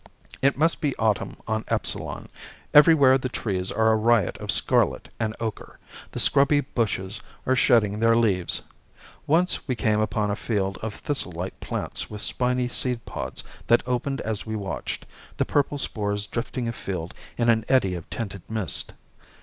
It must be autumn on Epsilon. Everywhere the trees are a riot of scarlet and ocher, the scrubby bushes are shedding their leaves. Once we came upon a field of thistlelike plants with spiny seed pods that opened as we watched, the purple spores drifting afield in an eddy of tinted mist.